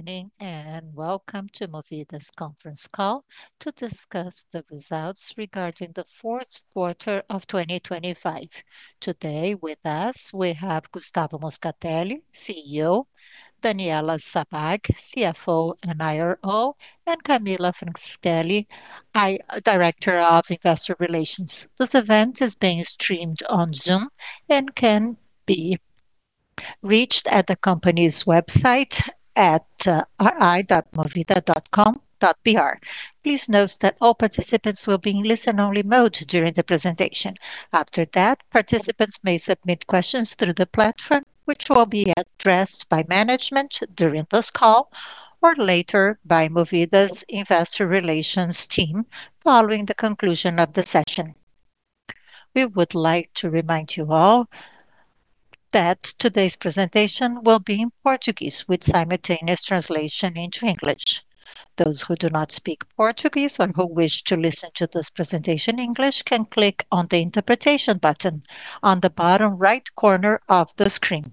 Morning, welcome to Movida's conference call to discuss the results regarding the fourth quarter of 2025. Today with us we have Gustavo Moscatelli, CEO, Daniela Sabbag, CFO and IRO, and Camila Franceschelli, Director of Investor Relations. This event is being streamed on Zoom and can be reached at the company's website at ri.movida.com.br. Please note that all participants will be in listen-only mode during the presentation. After that, participants may submit questions through the platform, which will be addressed by management during this call or later by Movida's investor relations team following the conclusion of the session. We would like to remind you all that today's presentation will be in Portuguese with simultaneous translation into English. Those who do not speak Portuguese or who wish to listen to this presentation in English can click on the interpretation button on the bottom right corner of the screen.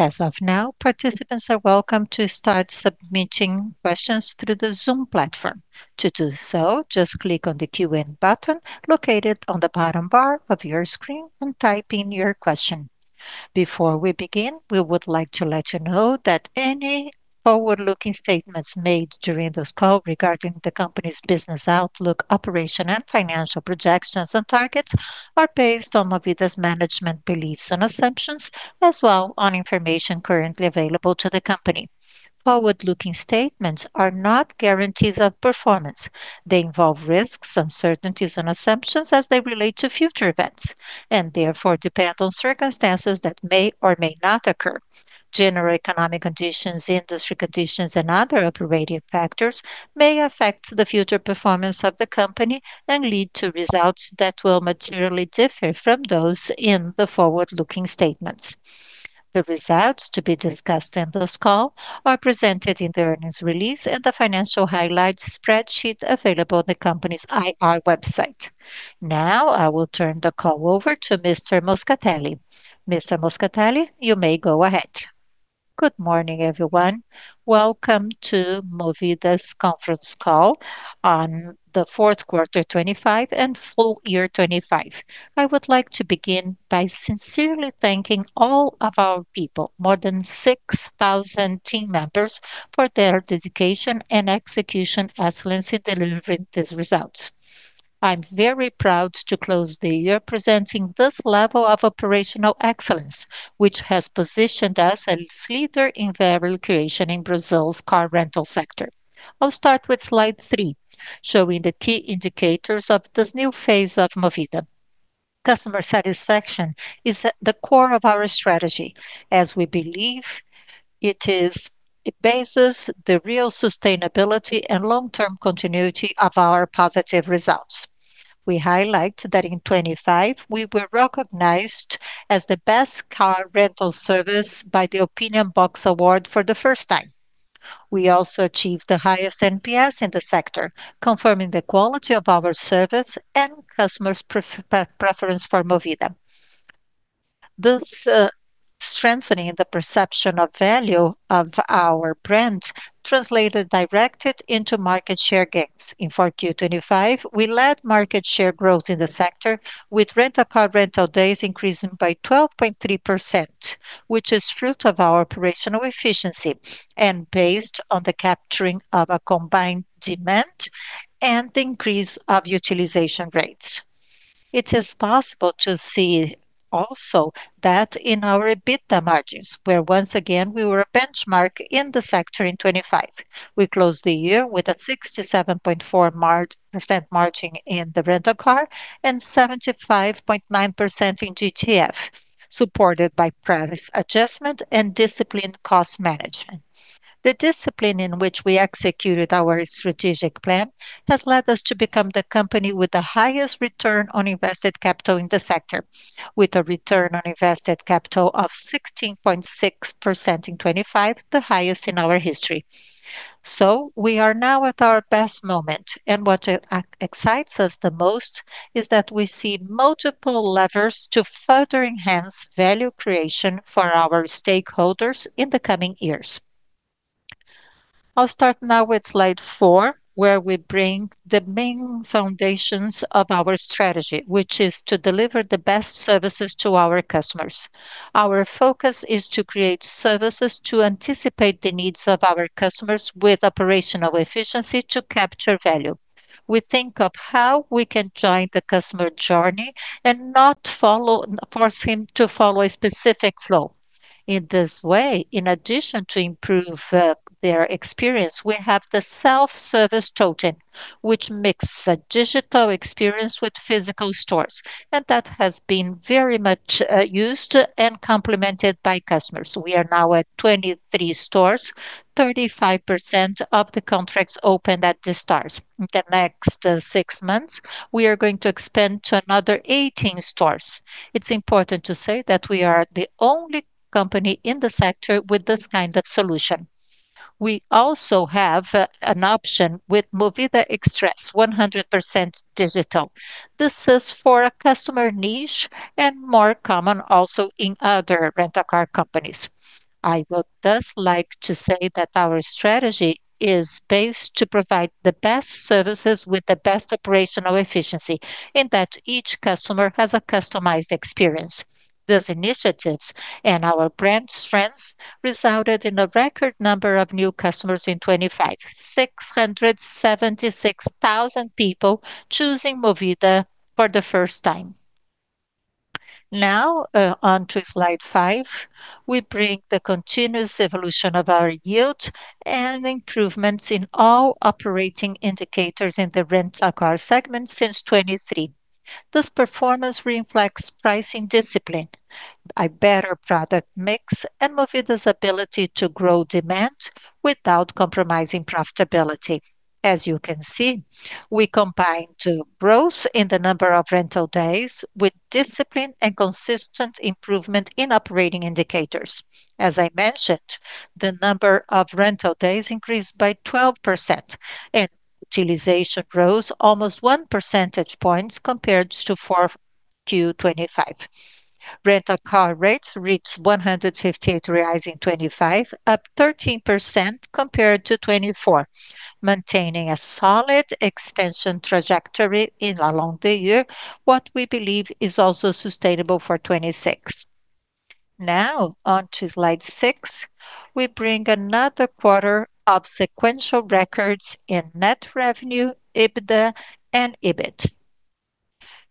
As of now, participants are welcome to start submitting questions through the Zoom platform. To do so, just click on the Q&A button located on the bottom bar of your screen and type in your question. Before we begin, we would like to let you know that any forward-looking statements made during this call regarding the company's business outlook, operation and financial projections and targets are based on Movida's management beliefs and assumptions, as well as on information currently available to the company. Forward-looking statements are not guarantees of performance. They involve risks, uncertainties and assumptions as they relate to future events, and therefore depend on circumstances that may or may not occur. General economic conditions, industry conditions and other operative factors may affect the future performance of the company and lead to results that will materially differ from those in the forward-looking statements. The results to be discussed in this call are presented in the earnings release and the financial highlights spreadsheet available on the company's IR website. Now I will turn the call over to Mr. Moscatelli. Mr. Moscatelli, you may go ahead. Good morning, everyone. Welcome to Movida's conference call on the fourth quarter 2025 and full year 2025. I would like to begin by sincerely thanking all of our people, more than 6,000 team members, for their dedication and execution excellence in delivering these results. I'm very proud to close the year presenting this level of operational excellence, which has positioned us as leader in value creation in Brazil's car rental sector. I'll start with slide 3, showing the key indicators of this new phase of Movida. Customer satisfaction is at the core of our strategy as we believe it bases the real sustainability and long-term continuity of our positive results. We highlight that in 2025 we were recognized as the best car rental service by the Opinion Box Awards for the first time. We also achieved the highest NPS in the sector, confirming the quality of our service and customers preference for Movida. This strengthening the perception of value of our brand translated directly into market share gains. In 4Q 2025, we led market share growth in the sector with rent-a-car rental days increasing by 12.3%, which is fruit of our operational efficiency and based on the capturing of a combined demand and increase of utilization rates. It is possible to see also that in our EBITDA margins, where once again we were a benchmark in the sector in 2025. We closed the year with a 67.4% margin in the rent-a-car and 75.9% in GTF, supported by price adjustment and disciplined cost management. The discipline in which we executed our strategic plan has led us to become the company with the highest return on invested capital in the sector, with a return on invested capital of 16.6% in 2025, the highest in our history. We are now at our best moment, and what excites us the most is that we see multiple levers to further enhance value creation for our stakeholders in the coming years. I'll start now with slide four, where we bring the main foundations of our strategy, which is to deliver the best services to our customers. Our focus is to create services to anticipate the needs of our customers with operational efficiency to capture value. We think of how we can join the customer journey and not force him to follow a specific flow. In this way, in addition to improve their experience, we have the self-service totem, which makes a digital experience with physical stores. That has been very much used and complemented by customers. We are now at 23 stores. 35% of the contracts open at the stores. In the next six months, we are going to expand to another 18 stores. It's important to say that we are the only company in the sector with this kind of solution. We also have an option with Movida Express 100% digital. This is for a customer niche and more common also in other rent-a-car companies. I would thus like to say that our strategy is based to provide the best services with the best operational efficiency, in that each customer has a customized experience. These initiatives and our brand strengths resulted in a record number of new customers in 2025, 676,000 people choosing Movida for the first time. Now, on to slide five, we bring the continuous evolution of our yield and improvements in all operating indicators in the rent-a-car segment since 2023. This performance reflects pricing discipline, a better product mix, and Movida's ability to grow demand without compromising profitability. As you can see, we combine two growths in the number of rental days with discipline and consistent improvement in operating indicators. As I mentioned, the number of rental days increased by 12% and utilization rose almost 1 percentage point compared to Q4 2024. Rent-a-car rates reached BRL 158 in 2025, up 13% compared to 2024, maintaining a solid expansion trajectory throughout the year, what we believe is also sustainable for 2026. Now on to slide 6. We bring another quarter of sequential records in net revenue, EBITDA and EBIT.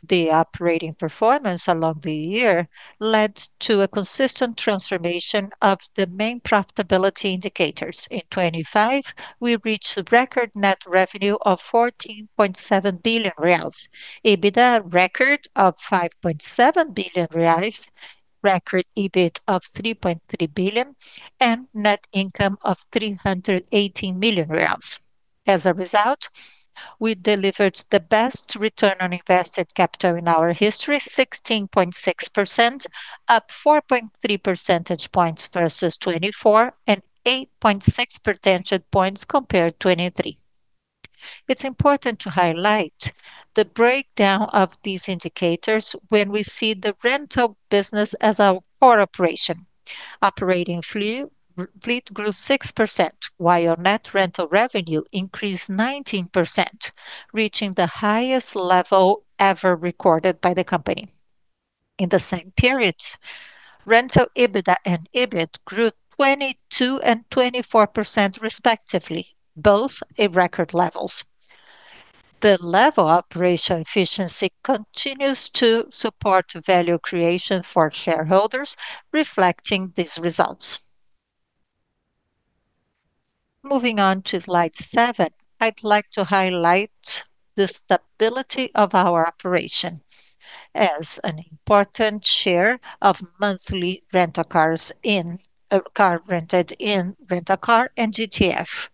The operating performance throughout the year led to a consistent transformation of the main profitability indicators. In 2025, we reached a record net revenue of 40.7 billion reais. EBITDA record of 5.7 billion reais. Record EBIT of 3.3 billion and net income of 318 million reais. As a result, we delivered the best return on invested capital in our history, 16.6%, up 4.3 percentage points versus 2024 and 8.6 percentage points compared to 2023. It's important to highlight the breakdown of these indicators when we see the rental business as our core operation. Operating fleet grew 6%, while net rental revenue increased 19%, reaching the highest level ever recorded by the company. In the same period, rental EBITDA and EBIT grew 22% and 24% respectively, both at record levels. The level of operational efficiency continues to support value creation for shareholders, reflecting these results. Moving on to slide 7, I'd like to highlight the stability of our operation as an important share of monthly rentals in car rented in rent-a-car and GTF.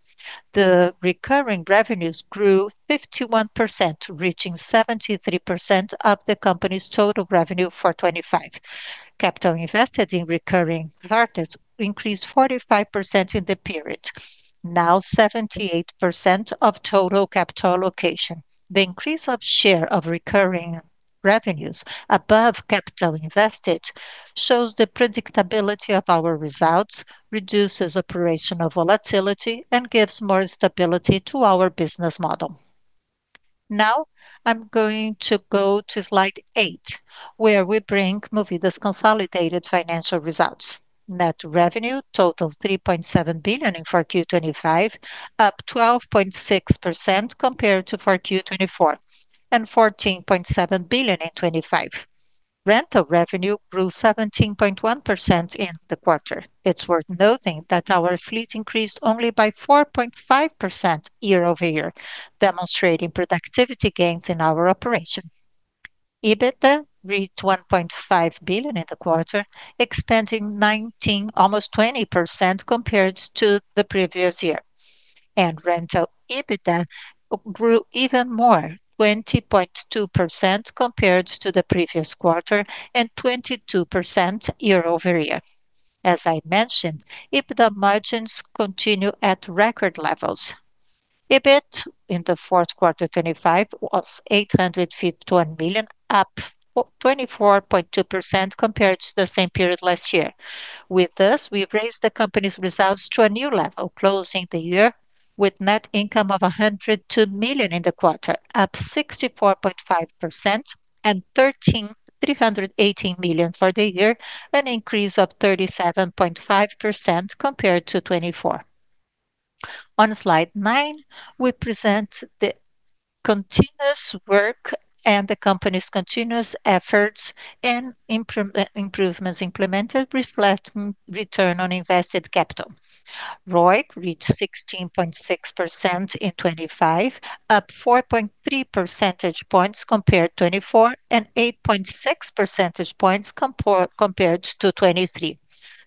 The recurring revenues grew 51%, reaching 73% of the company's total revenue for 2025. Capital invested in recurring markets increased 45% in the period. Now 78% of total capital allocation. The increase of share of recurring revenues above capital invested shows the predictability of our results, reduces operational volatility, and gives more stability to our business model. Now I'm going to go to slide 8, where we bring Movida's consolidated financial results. Net revenue total 3.7 billion in 4Q 2025, up 12.6% compared to 4Q 2024 and 14.7 billion in 2025. Rental revenue grew 17.1% in the quarter. It's worth noting that our fleet increased only by 4.5% year-over-year, demonstrating productivity gains in our operation. EBITDA reached 1.5 billion in the quarter, expanding 19%, almost 20% compared to the previous year, and rental EBITDA grew even more, 20.2% compared to the previous quarter and 22% year-over-year. As I mentioned, EBITDA margins continue at record levels. EBIT in the fourth quarter 2025 was 851 million, up 24.2% compared to the same period last year. With this, we raised the company's results to a new level, closing the year with net income of 102 million in the quarter, up 64.5% and 318 million for the year, an increase of 37.5% compared to 2024. On slide nine, we present the continuous work and the company's continuous efforts and improvements implemented reflecting return on invested capital. ROIC reached 16.6% in 2025, up 4.3 percentage points compared to 2024 and 8.6 percentage points compared to 2023.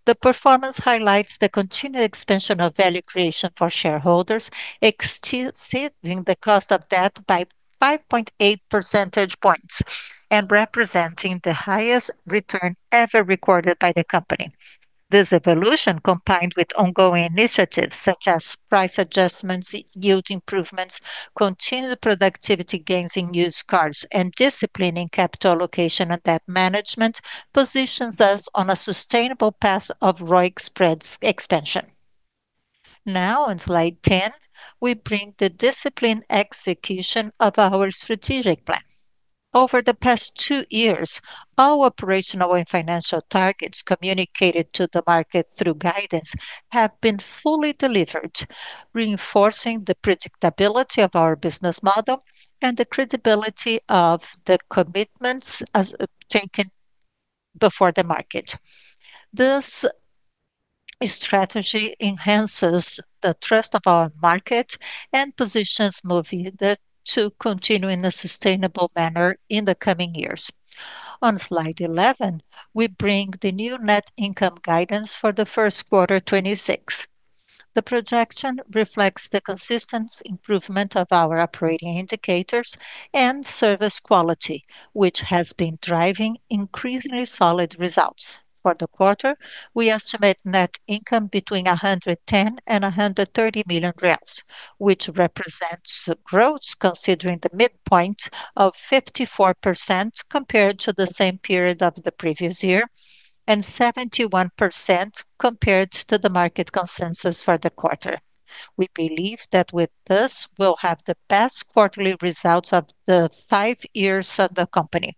The performance highlights the continued expansion of value creation for shareholders, exceeding the cost of debt by 5.8 percentage points and representing the highest return ever recorded by the company. This evolution, combined with ongoing initiatives such as price adjustments, yield improvements, continued productivity gains in used cars, and discipline in capital allocation and debt management, positions us on a sustainable path of ROIC spreads expansion. Now on slide ten, we bring the discipline execution of our strategic plan. Over the past two years, our operational and financial targets communicated to the market through guidance have been fully delivered, reinforcing the predictability of our business model and the credibility of the commitments as taken before the market. This strategy enhances the trust of our market and positions Movida to continue in a sustainable manner in the coming years. On slide 11, we bring the new net income guidance for the first quarter 2026. The projection reflects the consistent improvement of our operating indicators and service quality, which has been driving increasingly solid results. For the quarter, we estimate net income between 110 million and 130 million reais, which represents a growth considering the midpoint of 54% compared to the same period of the previous year, and 71% compared to the market consensus for the quarter. We believe that with this, we'll have the best quarterly results of the five years of the company.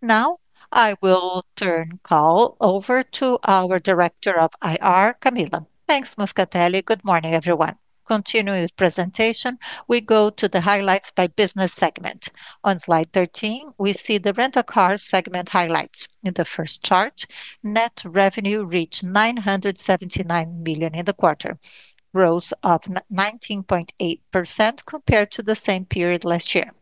Now I will turn the call over to our Director of IR, Camila. Thanks, Moscatelli. Good morning, everyone. Continuing with presentation, we go to the highlights by business segment. On slide 13, we see the rent-a-car segment highlights. In the first chart, net revenue reached 979 million in the quarter, growth of 19.8% compared to the same period last year.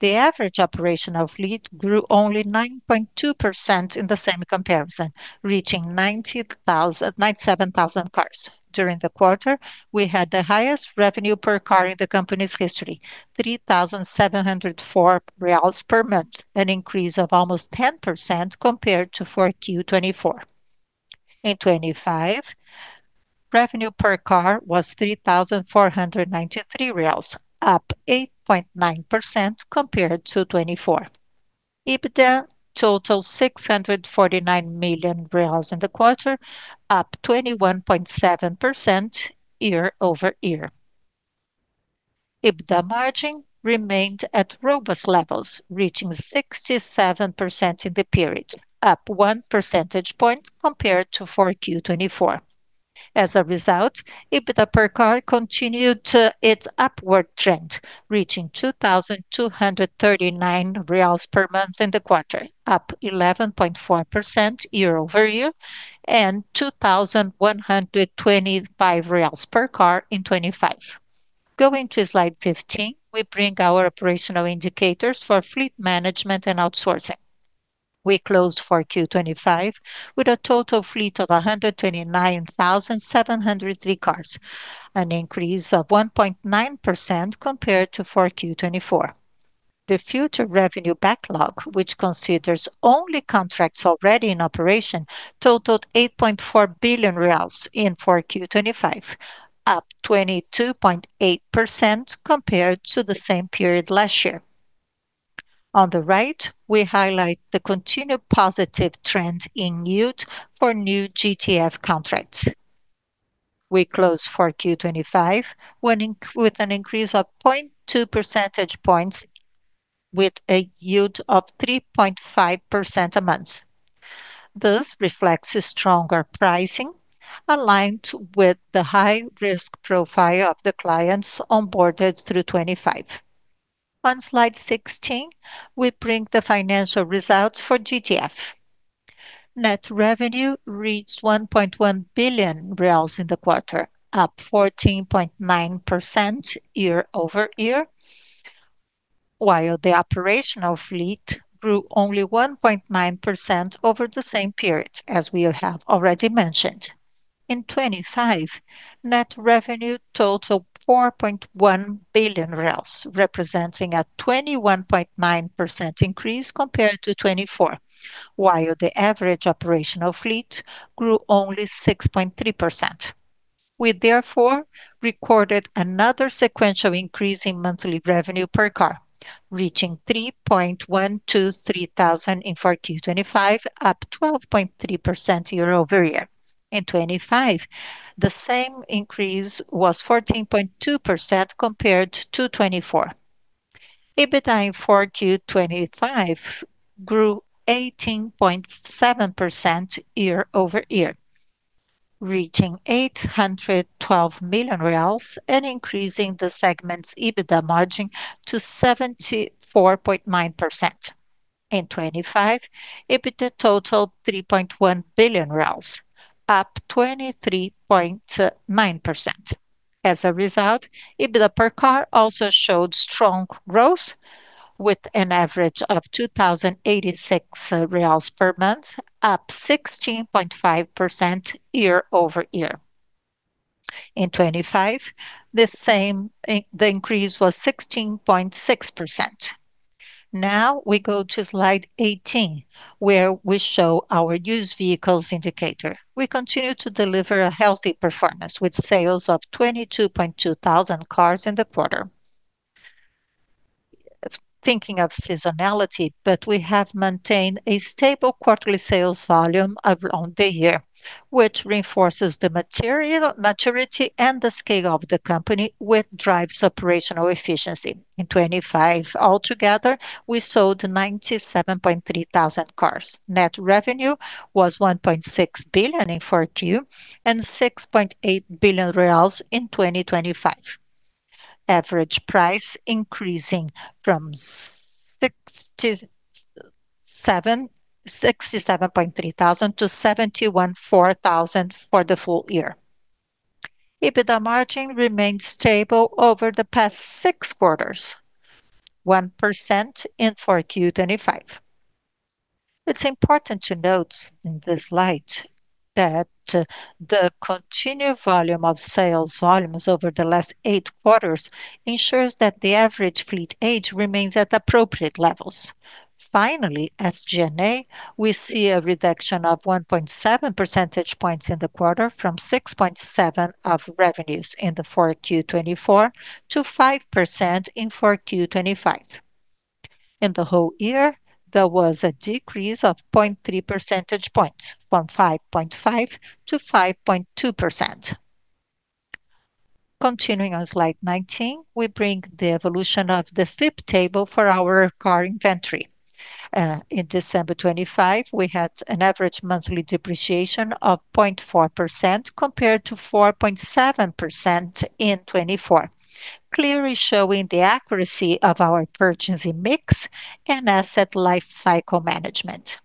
The average operational fleet grew only 9.2% in the same comparison, reaching 97,000 cars. During the quarter, we had the highest revenue per car in the company's history, 3,704 reais per month, an increase of almost 10% compared to 4Q 2024. In 2025, revenue per car was 3,493 reais, up 8.9% compared to 2024. EBITDA totaled 649 million reais in the quarter, up 21.7% year-over-year. EBITDA margin remained at robust levels, reaching 67% in the period, up 1 percentage point compared to 4Q 2024. As a result, EBITDA per car continued to its upward trend, reaching 2,239 reais per month in the quarter, up 11.4% year-over-year, and 2,125 reais per car in 2025. Going to slide 15, we bring our operational indicators for fleet management and outsourcing. We closed 4Q 2025 with a total fleet of 129,703 cars, an increase of 1.9% compared to 4Q 2024. The future revenue backlog, which considers only contracts already in operation, totaled 8.4 billion reais in 4Q 2025, up 22.8% compared to the same period last year. On the right, we highlight the continued positive trend in yield for new GTF contracts. We closed 4Q 2025 with an increase of 0.2 percentage points with a yield of 3.5% a month. This reflects a stronger pricing aligned with the high risk profile of the clients onboarded through 2025. On slide 16, we bring the financial results for GTF. Net revenue reached 1.1 billion reais in the quarter, up 14.9% year-over-year, while the operational fleet grew only 1.9% over the same period as we have already mentioned. In 2025, net revenue totaled 4.1 billion reais, representing a 21.9% increase compared to 2024. The average operational fleet grew only 6.3%. We therefore recorded another sequential increase in monthly revenue per car, reaching 3.123 thousand in 4Q 2025, up 12.3% year-over-year. In 2025, the same increase was 14.2% compared to 2024. EBITDA in 4Q 2025 grew 18.7% year-over-year, reaching 812 million reais and increasing the segment's EBITDA margin to 74.9%. In 2025, EBITDA totaled BRL 3.1 billion, up 23.9%. As a result, EBITDA per car also showed strong growth with an average of 2,086 reais per month, up 16.5% year-over-year. In 2025, the same, the increase was 16.6%. Now we go to slide 18, where we show our used vehicles indicator. We continue to deliver a healthy performance with sales of 22,200 cars in the quarter. Thinking of seasonality, but we have maintained a stable quarterly sales volume on the year, which reinforces the maturity and the scale of the company, which drives operational efficiency. In 2025 altogether, we sold 97,300 cars. Net revenue was 1.6 billion in 4Q and 6.8 billion reais in 2025. Average price increasing from 67.3 thousand to 71.4 thousand for the full year. EBITDA margin remained stable over the past six quarters, 1% in 4Q 2025. It's important to note in this slide that the continued volume of sales over the last eight quarters ensures that the average fleet age remains at appropriate levels. Finally, in G&A, we see a reduction of 1.7 percentage points in the quarter from 6.7% of revenues in 4Q 2024 to 5% in 4Q 2025. In the whole year, there was a decrease of 0.3 percentage points, from 5.5% to 5.2%. Continuing on slide 19, we bring the evolution of the FIPE table for our car inventory. In December 2025, we had an average monthly depreciation of 0.4% compared to 4.7% in 2024, clearly showing the accuracy of our purchasing mix and asset lifecycle management.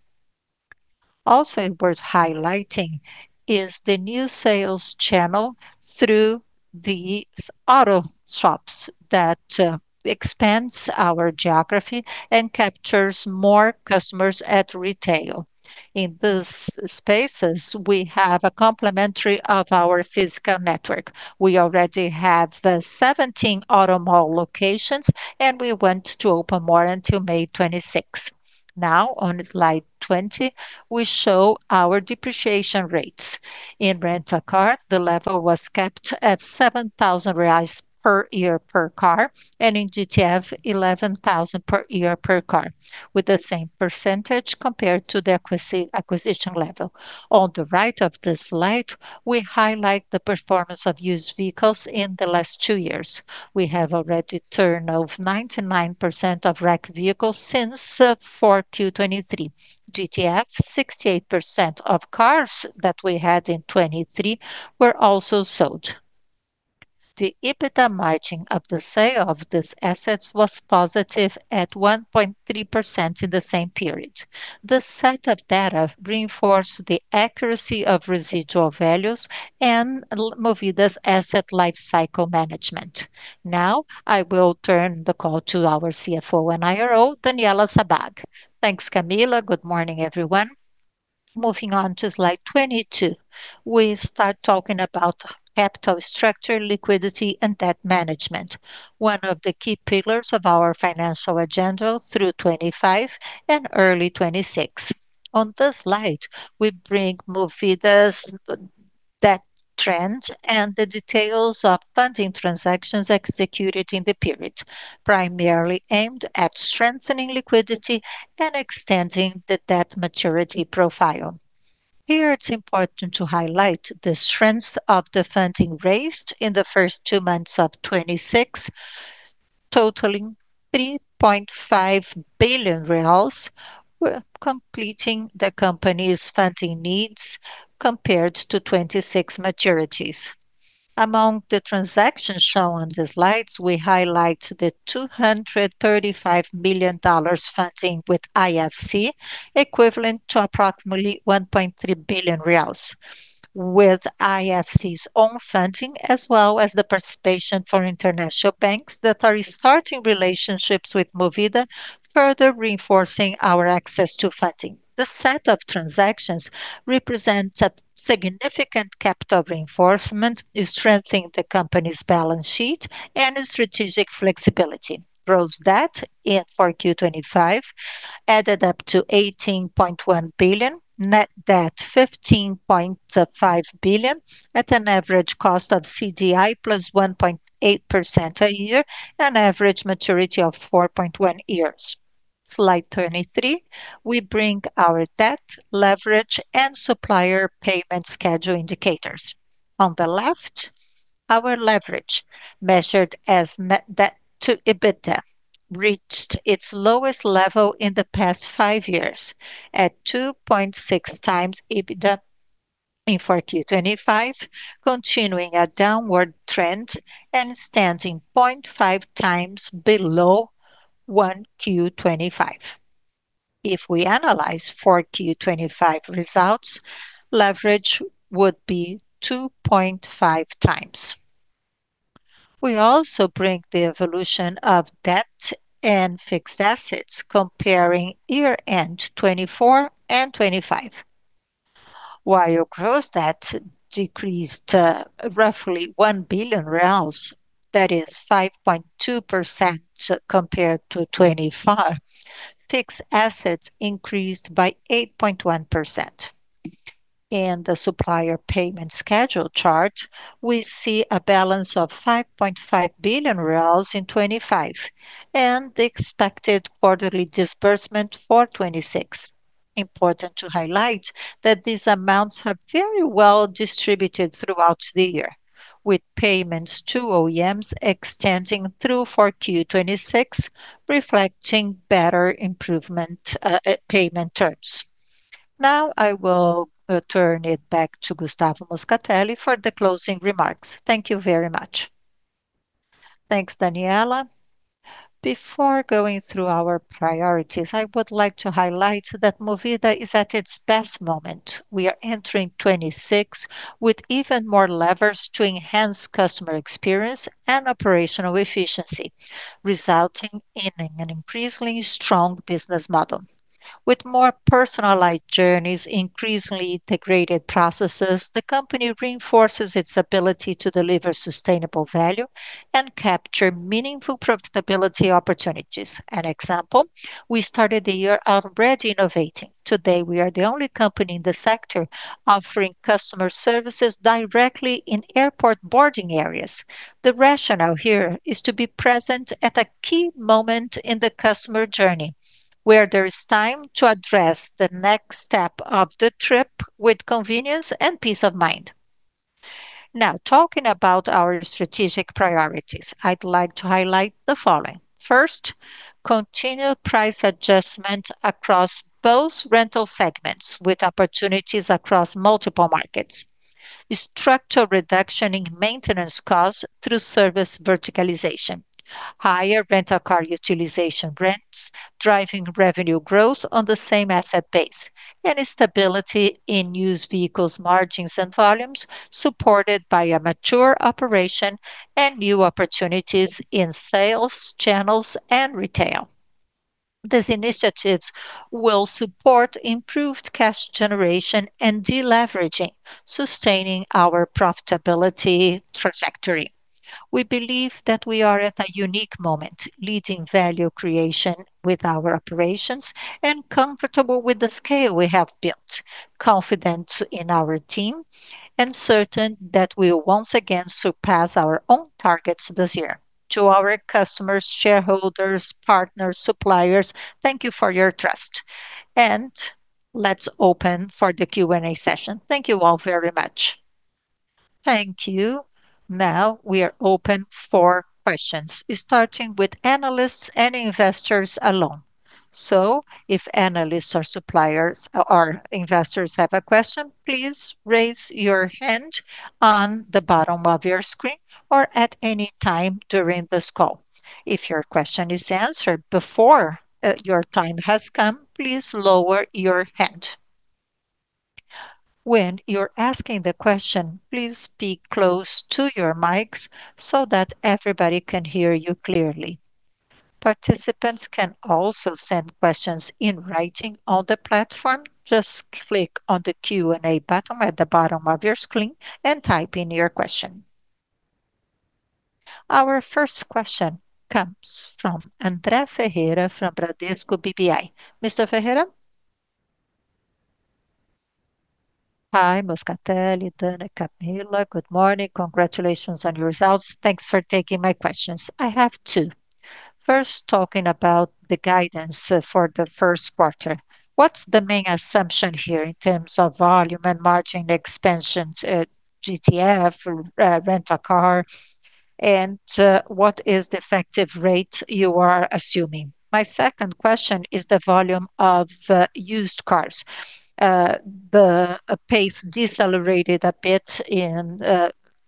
Also worth highlighting is the new sales channel through the auto shops that expands our geography and captures more customers at retail. In these spaces, we have a complement to our physical network. We already have 17 auto mall locations, and we want to open more until May 2026. Now on slide 20, we show our depreciation rates. In rent-a-car, the level was kept at 7,000 reais per year per car, and in GTF, 11,000 BRL per year per car, with the same percentage compared to the acquisition level. On the right of the slide, we highlight the performance of used vehicles in the last two years. We have already turned over 99% of RAC vehicles since 4Q 2023. GTF, 68% of cars that we had in 2023 were also sold. The EBITDA margin of the sale of these assets was positive at 1.3% in the same period. This set of data reinforced the accuracy of residual values and Movida's asset lifecycle management. Now I will turn the call to our CFO and IRO, Daniela Sabbag. Thanks, Camila. Good morning, everyone. Moving on to slide 22, we start talking about capital structure, liquidity, and debt management, one of the key pillars of our financial agenda through 2025 and early 2026. On this slide, we bring Movida's debt trend and the details of funding transactions executed in the period, primarily aimed at strengthening liquidity and extending the debt maturity profile. It's important to highlight the strengths of the funding raised in the first two months of 2026, totaling 3.5 billion reais, completing the company's funding needs compared to 2026 maturities. Among the transactions shown on the slides, we highlight the $235 million funding with IFC, equivalent to approximately 1.3 billion reais. With IFC's own funding, as well as the participation of international banks that are restarting relationships with Movida, further reinforcing our access to funding. This set of transactions represents a significant capital reinforcement, strengthening the company's balance sheet and strategic flexibility. Gross debt in 4Q 2025 added up to 18.1 billion. Net debt, 15.5 billion at an average cost of CDI + 1.8% a year, an average maturity of 4.1 years. Slide 23, we bring our debt leverage and supplier payment schedule indicators. On the left, our leverage, measured as net debt to EBITDA, reached its lowest level in the past five years at 2.6x EBITDA in 4Q 2025, continuing a downward trend and standing 0.5 times below 1Q 2025. If we analyze 4Q 2025 results, leverage would be 2.5x. We also bring the evolution of debt and fixed assets comparing year-end 2024 and 2025. While gross debt decreased, roughly 1 billion reais, that is 5.2% compared to 2025, fixed assets increased by 8.1%. In the supplier payment schedule chart, we see a balance of 5.5 billion reais in 2025 and the expected quarterly disbursement for 2026. Important to highlight that these amounts are very well distributed throughout the year, with payments to OEMs extending through 4Q 2026, reflecting better improvement, payment terms. Now I will turn it back to Gustavo Moscatelli for the closing remarks. Thank you very much. Thanks, Daniela. Before going through our priorities, I would like to highlight that Movida is at its best moment. We are entering 2026 with even more levers to enhance customer experience and operational efficiency, resulting in an increasingly strong business model. With more personalized journeys, increasingly integrated processes, the company reinforces its ability to deliver sustainable value and capture meaningful profitability opportunities. An example, we started the year already innovating. Today, we are the only company in the sector offering customer services directly in airport boarding areas. The rationale here is to be present at a key moment in the customer journey, where there is time to address the next step of the trip with convenience and peace of mind. Now, talking about our strategic priorities, I'd like to highlight the following. First, continued price adjustment across both rental segments with opportunities across multiple markets. Structural reduction in maintenance costs through service verticalization. Higher rent-a-car utilization rates, driving revenue growth on the same asset base. Stability in used vehicles margins and volumes, supported by a mature operation and new opportunities in sales channels and retail. These initiatives will support improved cash generation and deleveraging, sustaining our profitability trajectory. We believe that we are at a unique moment, leading value creation with our operations and comfortable with the scale we have built, confident in our team, and certain that we'll once again surpass our own targets this year. To our customers, shareholders, partners, suppliers, thank you for your trust. Let's open for the Q&A session. Thank you all very much. Thank you. Now we are open for questions, starting with analysts and investors alone. If analysts or suppliers or investors have a question, please raise your hand on the bottom of your screen or at any time during this call. If your question is answered before your time has come, please lower your hand. When you're asking the question, please speak close to your mics so that everybody can hear you clearly. Participants can also send questions in writing on the platform. Just click on the Q&A button at the bottom of your screen and type in your question. Our first question comes from André Ferreira from Bradesco BBI. Mr. Ferreira? Hi, Moscatelli, Dana, Camila. Good morning. Congratulations on your results. Thanks for taking my questions. I have two. First, talking about the guidance for the first quarter, what's the main assumption here in terms of volume and margin expansion to GTF, rent-a-car, and what is the effective rate you are assuming? My second question is the volume of used cars. The pace decelerated a bit in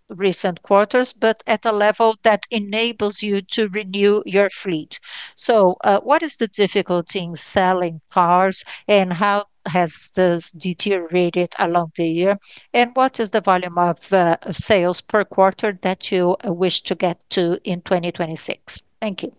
recent quarters, but at a level that enables you to renew your fleet. What is the difficulty in selling cars, and how has this deteriorated along the year? What is the volume of sales per quarter that you wish to get to in 2026? Thank you.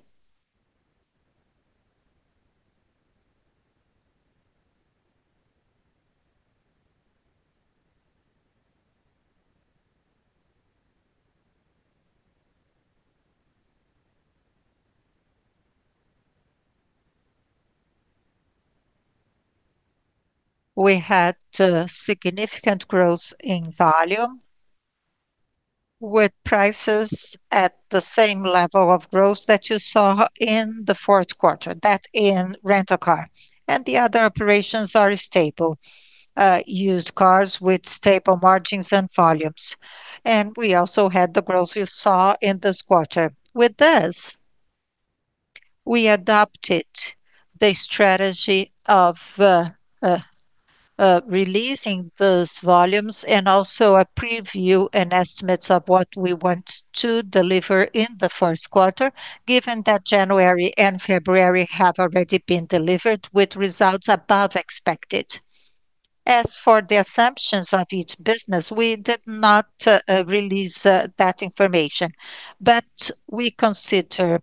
We had significant growth in volume with prices at the same level of growth that you saw in the fourth quarter. That in rent-a-car. The other operations are stable. Used cars with stable margins and volumes. We also had the growth you saw in this quarter. With this, we adopted the strategy of releasing those volumes and also a preview and estimates of what we want to deliver in the first quarter, given that January and February have already been delivered with results above expected. As for the assumptions of each business, we did not release that information. We consider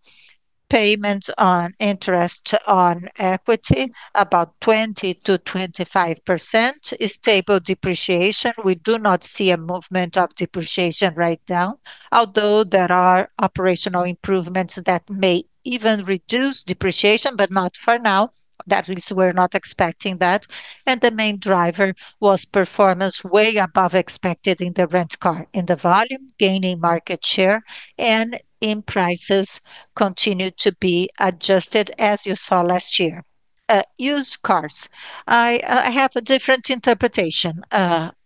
payments on interest on equity about 20%-25%. A stable depreciation. We do not see a movement of depreciation right now, although there are operational improvements that may even reduce depreciation, but not for now. At least we're not expecting that. The main driver was performance way above expected in the rent-a-car. In the volume, gaining market share, and in prices continued to be adjusted as you saw last year. Used cars. I have a different interpretation.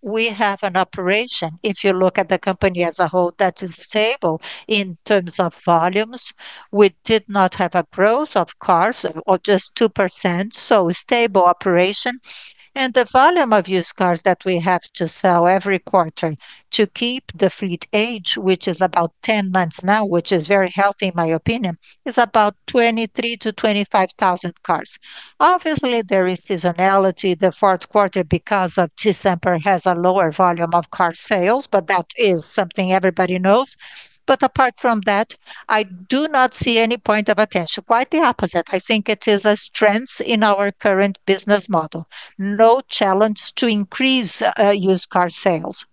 We have an operation, if you look at the company as a whole, that is stable in terms of volumes. We did not have a growth of cars or just 2%, so stable operation. The volume of used cars that we have to sell every quarter to keep the fleet age, which is about 10 months now, which is very healthy in my opinion, is about 23,000-25,000 cars. Obviously, there is seasonality in the fourth quarter because of December has a lower volume of car sales, but that is something everybody knows. Apart from that, I do not see any point of attention. Quite the opposite. I think it is a strength in our current business model. No challenge to increase used car sales.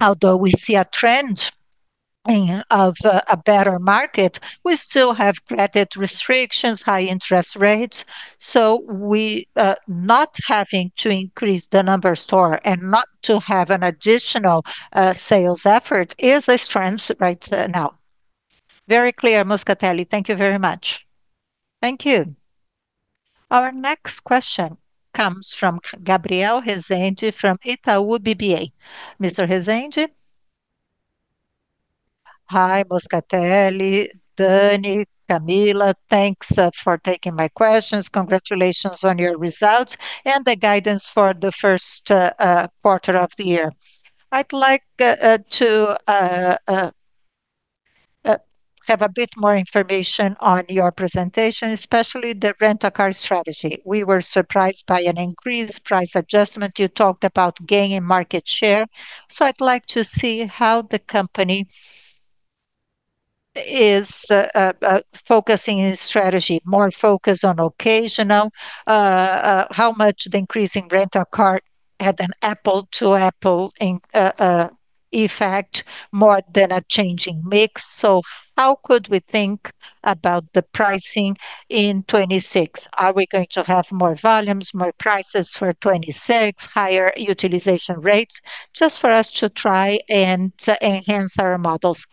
Although we see a trend of a better market, we still have credit restrictions, high interest rates. We not having to increase the number of stores and not to have an additional sales effort is a strength right now. Very clear, Moscatelli. Thank you very much. Thank you. Our next question comes from Gabriel Rezende from Itaú BBA. Mr. Rezende. Hi, Moscatelli, Danny, Camila. Thanks for taking my questions. Congratulations on your results and the guidance for the first quarter of the year. I'd like to have a bit more information on your presentation, especially the rent-a-car strategy. We were surprised by an increased price adjustment. You talked about gaining market share, so I'd like to see how the company is focusing its strategy. More focused on occasional, how much the increase in rent-a-car had an apples-to-apples effect more than a changing mix. How could we think about the pricing in 2026? Are we going to have more volumes, more prices for 2026, higher utilization rates? Just for us to try and enhance our models.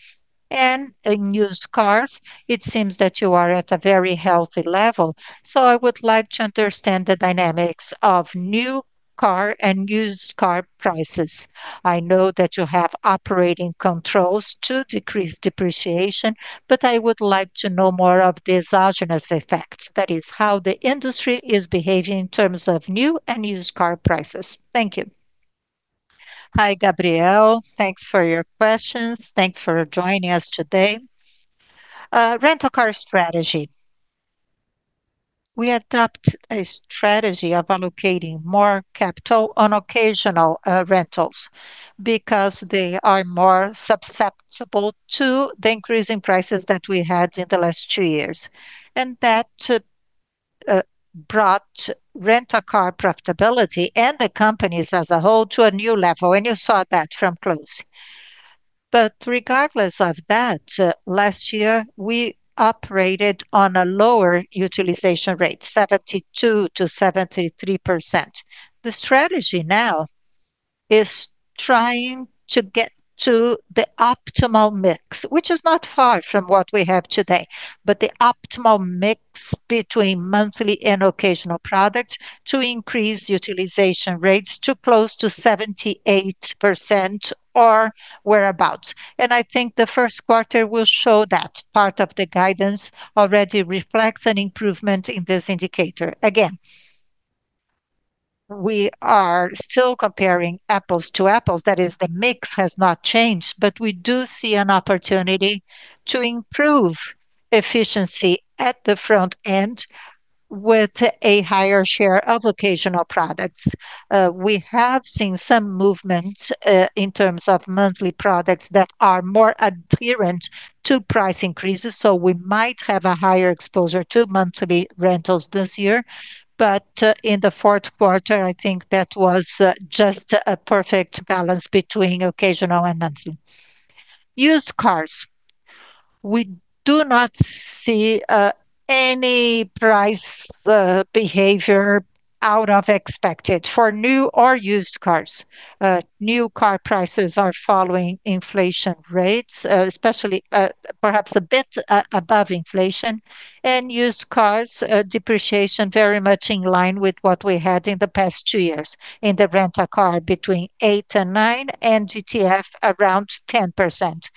In used cars, it seems that you are at a very healthy level, so I would like to understand the dynamics of new car and used car prices. I know that you have operating controls to decrease depreciation, but I would like to know more of the exogenous effect. That is how the industry is behaving in terms of new and used car prices. Thank you. Hi, Gabriel. Thanks for your questions. Thanks for joining us today. Rent-a-car strategy. We adopt a strategy of allocating more capital on occasional rentals because they are more susceptible to the increase in prices that we had in the last two years. That brought rent-a-car profitability and the companies as a whole to a new level, and you saw that from growth. Regardless of that, last year, we operated on a lower utilization rate, 72%-73%. The strategy now is trying to get to the optimal mix, which is not far from what we have today. The optimal mix between monthly and occasional products to increase utilization rates to close to 78% or thereabouts. I think the first quarter will show that part of the guidance already reflects an improvement in this indicator. Again, we are still comparing apples to apples. That is the mix has not changed, but we do see an opportunity to improve efficiency at the front end with a higher share of occasional products. We have seen some movement in terms of monthly products that are more adherent to price increases, so we might have a higher exposure to monthly rentals this year. In the fourth quarter, I think that was just a perfect balance between occasional and monthly. Used cars. We do not see any price behavior out of expected for new or used cars. New car prices are following inflation rates, especially, perhaps a bit above inflation. Used cars depreciation very much in line with what we had in the past two years in the rent-a-car between 8% and 9% and GTF around 10%.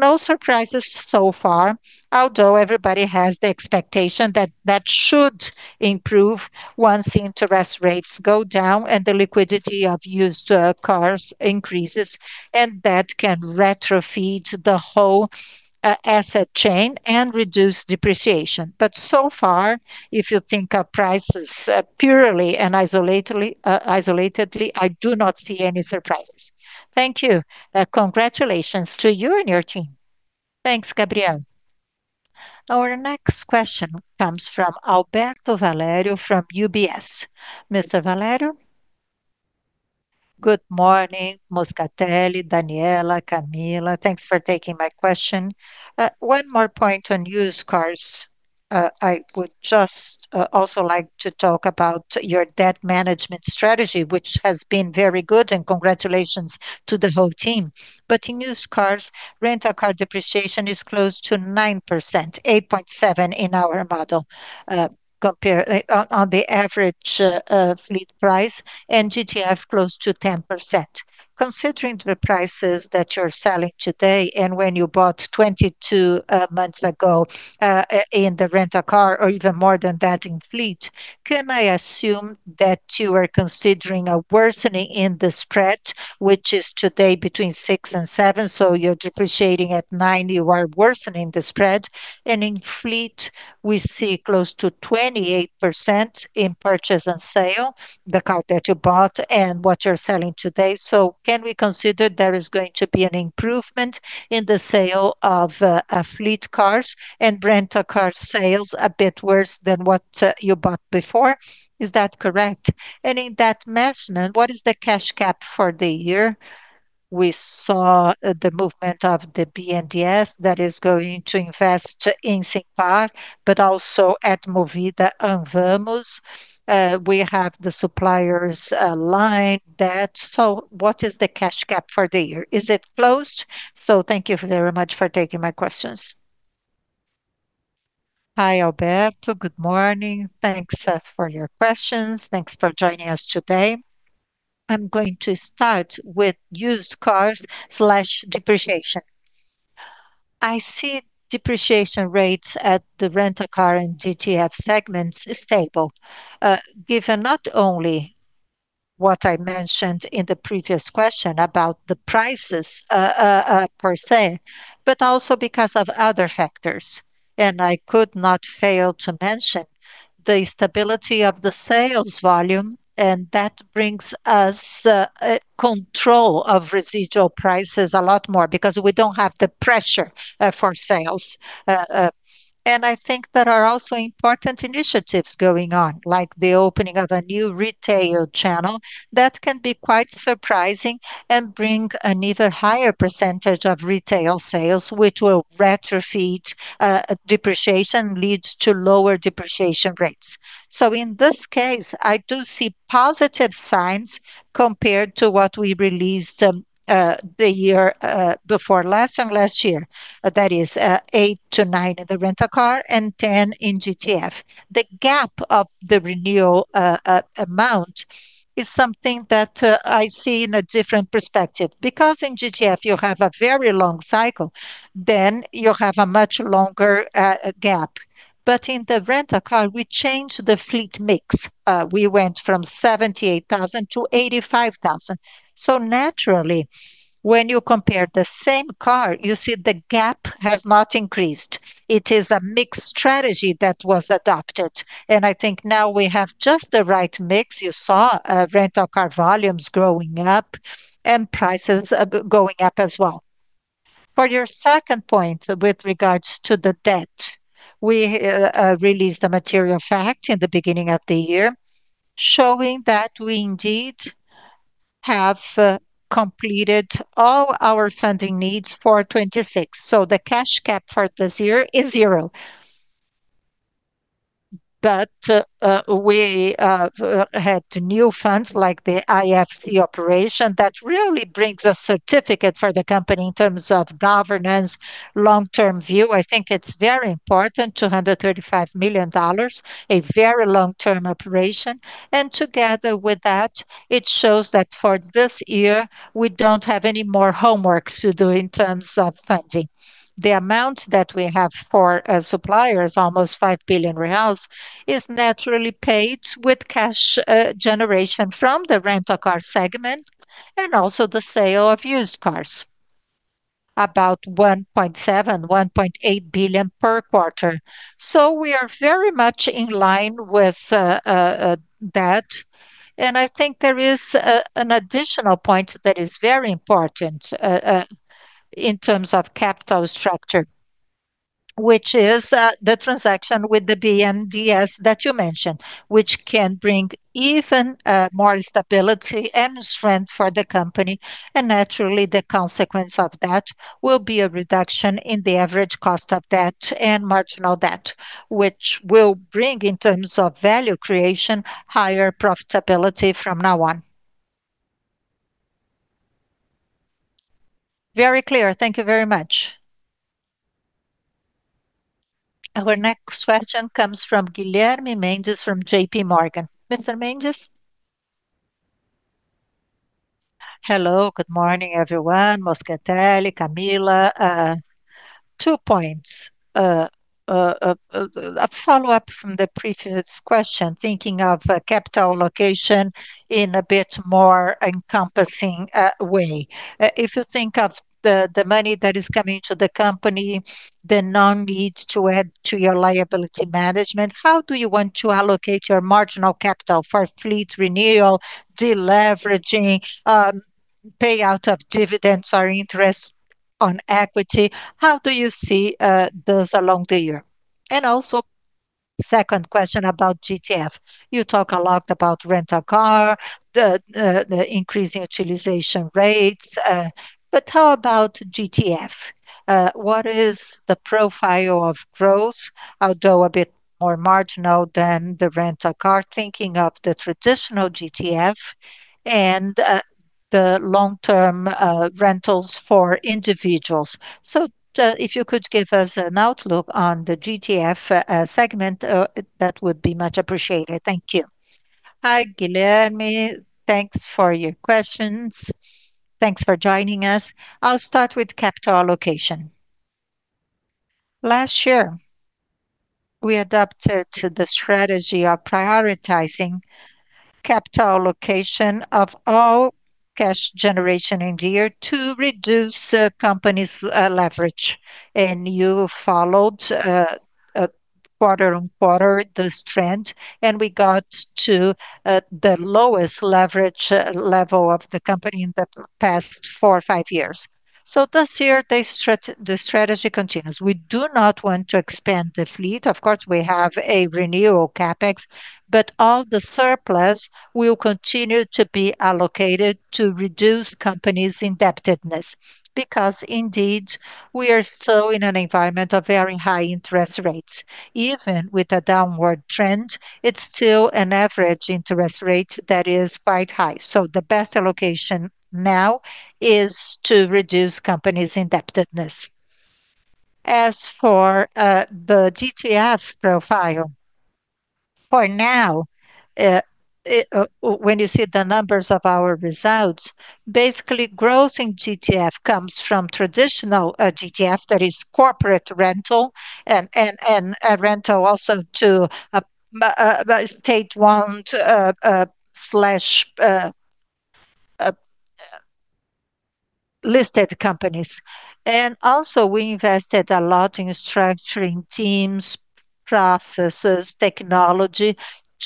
No surprises so far, although everybody has the expectation that that should improve once the interest rates go down and the liquidity of used cars increases, and that can retrofeed the whole asset chain and reduce depreciation. So far, if you think of prices purely and isolatedly, I do not see any surprises. Thank you. Congratulations to you and your team. Thanks, Gabriel. Our next question comes from Alberto Valério from UBS. Mr. Valério. Good morning, Moscatelli, Daniela, Camila. Thanks for taking my question. One more point on used cars. I would just also like to talk about your debt management strategy, which has been very good and congratulations to the whole team. In used cars, rent-a-car depreciation is close to 9%, 8.7 in our model, on the average, fleet price and GTF close to 10%. Considering the prices that you're selling today and when you bought 22 months ago, in the rent-a-car or even more than that in fleet, can I assume that you are considering a worsening in the spread, which is today between 6%-7%, so you're depreciating at 9, you are worsening the spread. In fleet we see close to 28% in purchase and sale, the car that you bought and what you're selling today. Can we consider there is going to be an improvement in the sale of fleet cars and rent-a-car sales a bit worse than what you bought before? Is that correct? And in that segment, what is the cash gap for the year? We saw the movement of the BNDES that is going to invest in Simpar, but also at Movida and Vamos. We have the suppliers' line debt. What is the cash gap for the year? Is it closed? Thank you very much for taking my questions. Hi, Alberto. Good morning. Thanks for your questions. Thanks for joining us today. I'm going to start with used cars/depreciation. I see depreciation rates at the rent-a-car and GTF segments stable, given not only what I mentioned in the previous question about the prices per se, but also because of other factors. I could not fail to mention the stability of the sales volume, and that brings us control of residual prices a lot more because we don't have the pressure for sales. I think there are also important initiatives going on, like the opening of a new retail channel that can be quite surprising and bring an even higher percentage of retail sales, which will retrofeed depreciation leads to lower depreciation rates. In this case, I do see positive signs compared to what we released the year before last and last year. That is, 8-9 in the rent-a-car and 10 in GTF. The gap of the renewal amount is something that I see in a different perspective because in GTF you have a very long cycle, then you have a much longer gap. In the rent-a-car, we changed the fleet mix. We went from 78,000 to 85,000. Naturally, when you compare the same car, you see the gap has not increased. It is a mixed strategy that was adopted, and I think now we have just the right mix. You saw rent-a-car volumes growing up and prices going up as well. For your second point with regards to the debt, we released a material fact in the beginning of the year showing that we indeed have completed all our funding needs for 2026. The cash gap for this year is 0. We had new funds like the IFC operation that really brings a certificate for the company in terms of governance, long-term view. I think it's very important, $235 million, a very long-term operation. Together with that, it shows that for this year we don't have any more homework to do in terms of funding. The amount that we have for suppliers, almost 5 billion reais, is naturally paid with cash generation from the rent-a-car segment and also the sale of used cars, about 1.7 billion-1.8 billion per quarter. We are very much in line with that. I think there is an additional point that is very important in terms of capital structure, which is the transaction with the BNDES that you mentioned, which can bring even more stability and strength for the company. Naturally, the consequence of that will be a reduction in the average cost of debt and marginal debt, which will bring, in terms of value creation, higher profitability from now on. Very clear. Thank you very much. Our next question comes from Guilherme Mendes from JPMorgan. Mr. Mendes. Hello. Good morning, everyone. Moscatelli, Camila. A follow-up from the previous question, thinking of capital allocation in a bit more encompassing way. If you think of the money that is coming to the company, the funds need to add to your liability management, how do you want to allocate your marginal capital for fleet renewal, de-leveraging, payout of dividends or interest on equity, how do you see those along the year? Also, second question about GTF. You talk a lot about rent-a-car, the increasing utilization rates, but how about GTF? What is the profile of growth, although a bit more marginal than the rent-a-car, thinking of the traditional GTF and the long-term rentals for individuals. If you could give us an outlook on the GTF segment, that would be much appreciated. Thank you. Hi Guilherme. Thanks for your questions. Thanks for joining us. I'll start with capital allocation. Last year, we adapted to the strategy of prioritizing capital allocation of all cash generation in the year to reduce the company's leverage. You followed quarter-over-quarter this trend, and we got to the lowest leverage level of the company in the past four or five years. This year the strategy continues. We do not want to expand the fleet. Of course, we have a renewal CapEx, but all the surplus will continue to be allocated to reduce the company's indebtedness. Because indeed we are still in an environment of very high interest rates. Even with a downward trend, it's still an average interest rate that is quite high. The best allocation now is to reduce the company's indebtedness. As for the GTF profile. For now, when you see the numbers of our results, basically growth in GTF comes from traditional GTF, that is corporate rental and a rental also to state-owned/listed companies. Also we invested a lot in structuring teams, processes, technology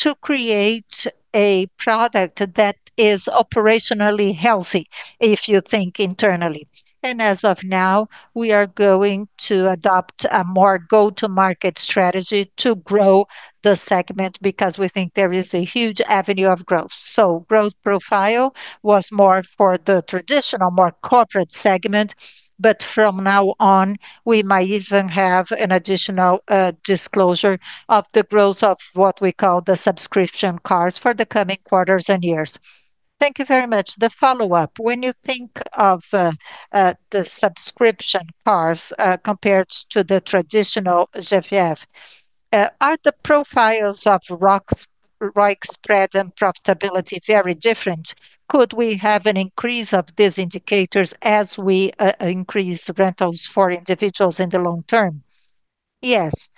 to create a product that is operationally healthy if you think internally. As of now, we are going to adopt a more go-to-market strategy to grow the segment because we think there is a huge avenue of growth. Growth profile was more for the traditional, more corporate segment, but from now on we might even have an additional disclosure of the growth of what we call the subscription cars for the coming quarters and years. Thank you very much. The follow-up, when you think of, the subscription cars, compared to the traditional GTF, are the profiles of ROIC spread and profitability very different? Could we have an increase of these indicators as we, increase rentals for individuals in the long term? Yes.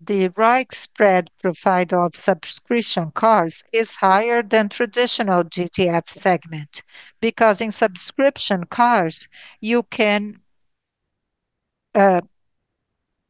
The ROIC spread profile of subscription cars is higher than traditional GTF segment because in subscription cars you can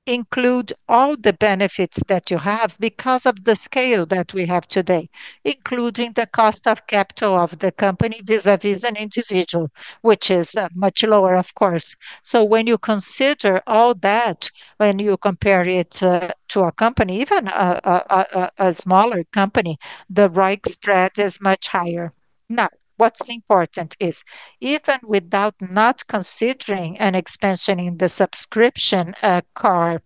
include all the benefits that you have because of the scale that we have today, including the cost of capital of the company vis-a-vis an individual, which is, much lower of course. When you consider all that, when you compare it to a company, even a smaller company, the ROIC spread is much higher. Now what's important is even without not considering an expansion in the subscription car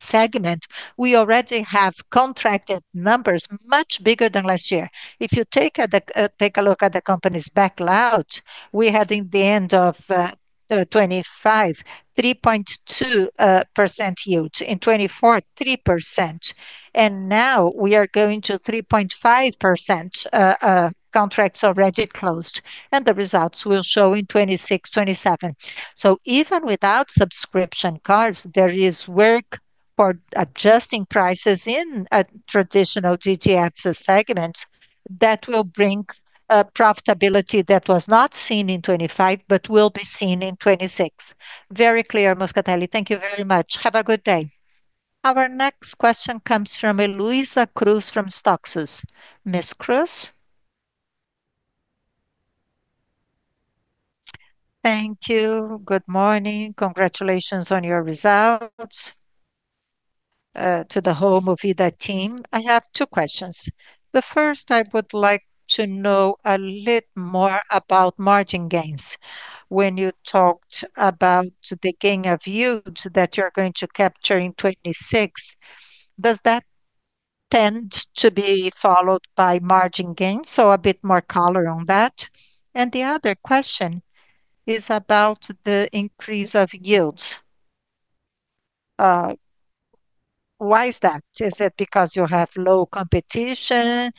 segment, we already have contracted numbers much bigger than last year. If you take a look at the company's backlog, we had in the end of 2025, 3.2% yields. In 2024, 3%. Now we are going to 3.5%, contracts already closed, and the results will show in 2026, 2027. Even without subscription cars, there is work for adjusting prices in a traditional GTF segment that will bring profitability that was not seen in 2025 but will be seen in 2026. Very clear, Moscatelli. Thank you very much. Have a good day. Our next question comes from Luiza Mussi from Safra. Ms. Mussi. Thank you. Good morning. Congratulations on your results to the whole Movida team. I have two questions. The first I would like to know a little more about margin gains. When you talked about the gain of yields that you're going to capture in 2026, does that tend to be followed by margin gains? A bit more color on that. The other question is about the increase of yields. Why is that? Is it because you have low competition,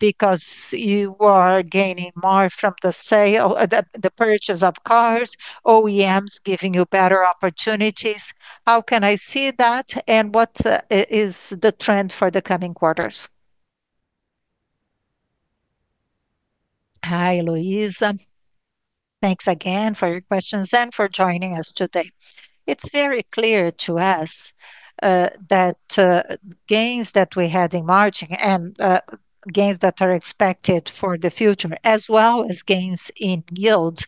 because you are gaining more from the purchase of cars, OEMs giving you better opportunities? How can I see that, and what is the trend for the coming quarters? Hi, Luiza. Thanks again for your questions and for joining us today. It's very clear to us that gains that we had in March and gains that are expected for the future, as well as gains in yield,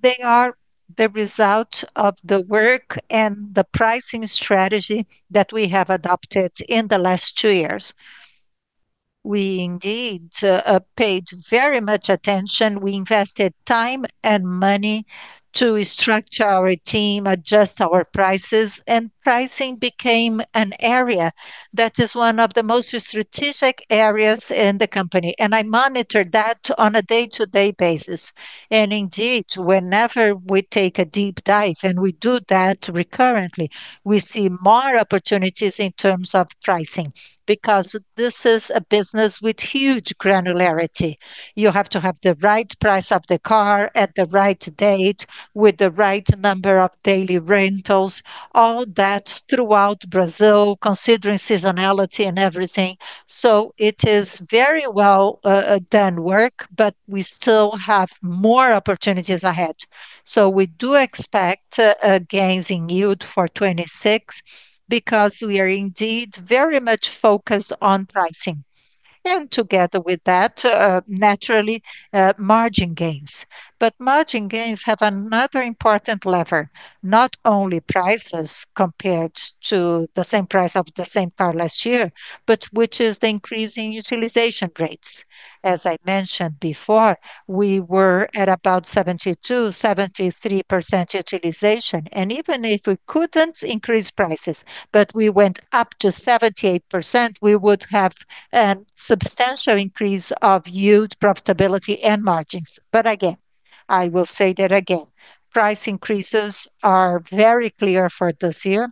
they are the result of the work and the pricing strategy that we have adopted in the last two years. We indeed paid very much attention. We invested time and money to structure our team, adjust our prices, and pricing became an area that is one of the most strategic areas in the company, and I monitor that on a day-to-day basis. Indeed, whenever we take a deep dive, and we do that recurrently, we see more opportunities in terms of pricing because this is a business with huge granularity. You have to have the right price of the car at the right date with the right number of daily rentals, all that throughout Brazil considering seasonality and everything. It is very well done work, but we still have more opportunities ahead. We do expect gains in yield for 2026 because we are indeed very much focused on pricing. Together with that, naturally, margin gains. Margin gains have another important lever. Not only prices compared to the same price of the same car last year, but which is the increase in utilization rates. As I mentioned before, we were at about 72%-73% utilization. Even if we couldn't increase prices, but we went up to 78%, we would have a substantial increase of yield profitability and margins. Again, I will say that again, price increases are very clear for this year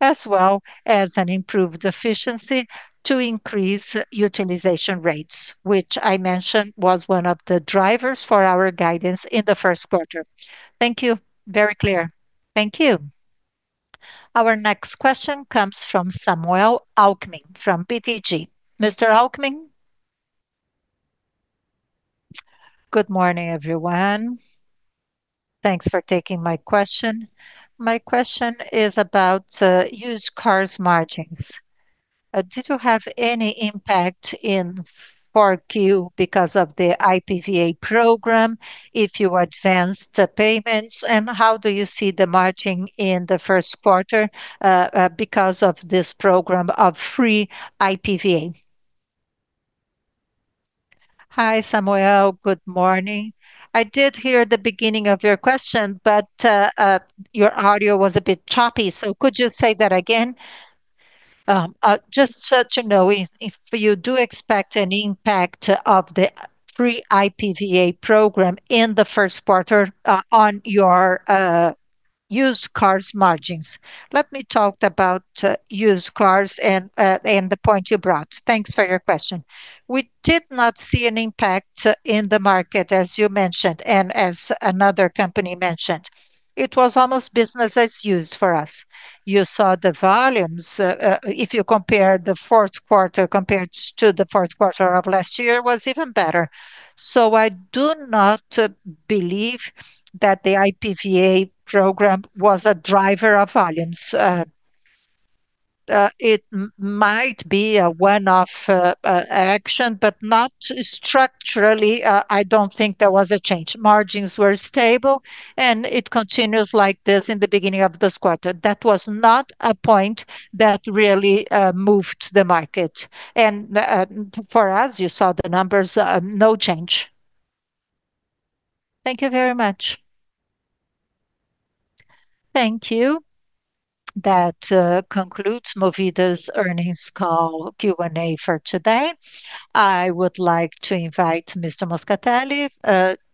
as well as an improved efficiency to increase utilization rates, which I mentioned was one of the drivers for our guidance in the first quarter. Thank you. Very clear. Thank you. Our next question comes from Samuel Alkmim from BTG. Mr. Alkmim. Good morning, everyone. Thanks for taking my question. My question is about used cars margins. Did you have any impact in 4Q because of the IPVA program if you advanced the payments, and how do you see the margin in the first quarter because of this program of free IPVA? Hi, Samuel. Good morning. I did hear the beginning of your question, but your audio was a bit choppy, so could you say that again? Just so that you know if you do expect an impact of the free IPVA program in the first quarter on your used cars margins. Let me talk about used cars and the point you brought. Thanks for your question. We did not see an impact in the market, as you mentioned, and as another company mentioned. It was almost business as usual for us. You saw the volumes. If you compare the fourth quarter to the fourth quarter of last year, it was even better. I do not believe that the IPVA program was a driver of volumes. It might be a one-off action, but not structurally. I don't think there was a change. Margins were stable, and it continues like this in the beginning of this quarter. That was not a point that really moved the market. For us, you saw the numbers. No change. Thank you very much. Thank you. That concludes Movida's earnings call Q&A for today. I would like to invite Mr. Moscatelli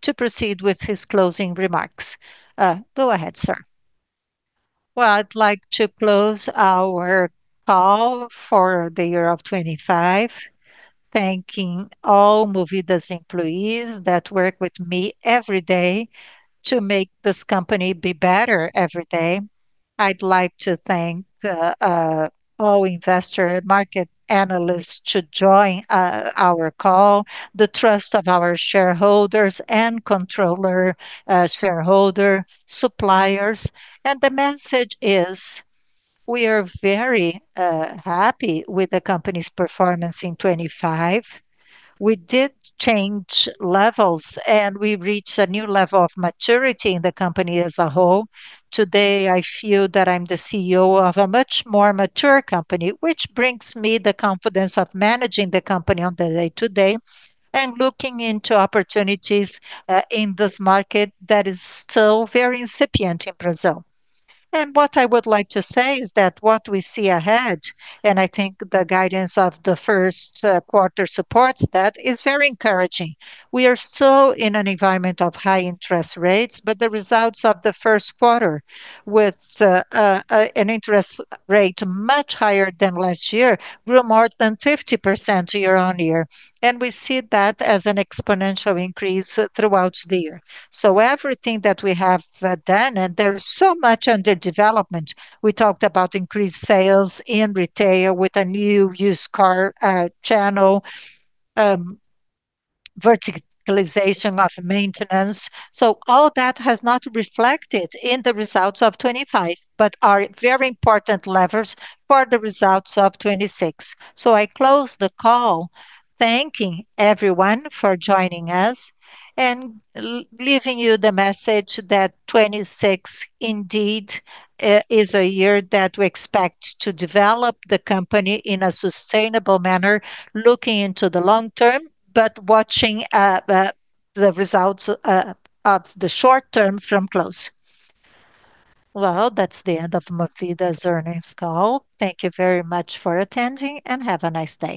to proceed with his closing remarks. Well, I'd like to close our call for the year of 2025, thanking all Movida's employees that work with me every day to make this company be better every day. I'd like to thank all investor and market analysts to join our call, the trust of our shareholders and controller shareholder, suppliers. The message is, we are very happy with the company's performance in 2025. We did change levels, and we reached a new level of maturity in the company as a whole. Today I feel that I'm the CEO of a much more mature company, which brings me the confidence of managing the company on the day-to-day and looking into opportunities in this market that is still very incipient in Brazil. What I would like to say is that what we see ahead, and I think the guidance of the first quarter supports that, is very encouraging. We are still in an environment of high interest rates, but the results of the first quarter with an interest rate much higher than last year grew more than 50% year-on-year. We see that as an exponential increase throughout the year. Everything that we have done, and there's so much under development. We talked about increased sales in retail with a new used car channel, verticalization of maintenance. All that has not reflected in the results of 2025, but are very important levers for the results of 2026. I close the call thanking everyone for joining us and leaving you the message that 2026 indeed is a year that we expect to develop the company in a sustainable manner, looking into the long term but watching the results of the short term from close. Well, that's the end of Movida's earnings call. Thank you very much for attending, and have a nice day.